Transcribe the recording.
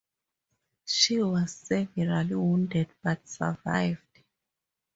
She was severely wounded, but survived.